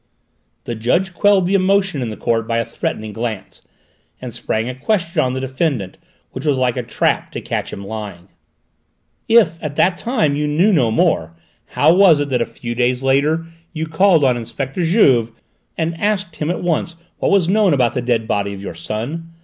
The judge quelled the emotion in the court by a threatening glance, and sprang a question on the defendant which was like a trap to catch him lying. "If at that time you knew no more, how was it that a few days later you called on Inspector Juve and asked him at once what was known about the dead body of your son?